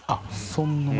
そんな前？